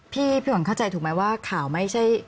พี่หวันเข้าใจถูกไหมว่าข่าวไม่ใช่